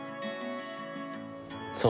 そう。